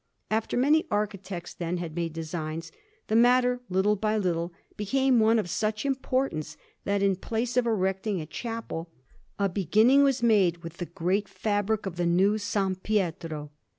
After many architects, then, had made designs, the matter little by little became one of such importance, that, in place of erecting a chapel, a beginning was made with the great fabric of the new S. Pietro.